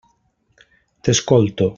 T'escolto.